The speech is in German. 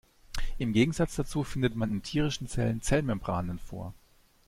Im Gegensatz dazu findet man in tierischen Zellen Zellmembranen vor.